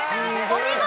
お見事！